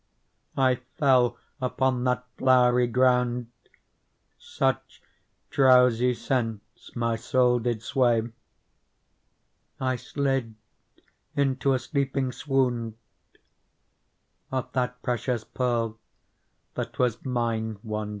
I fell upon that flowery ground ; Such drowsy scents my soul did sway, I slid into a sleeping swound Of that precious Pearl that was mine one day.